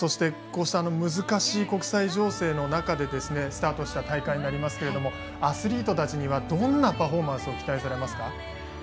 難しい国際情勢の中でスタートした大会になりますがアスリートたちにはどんなパフォーマンスを期待されますか。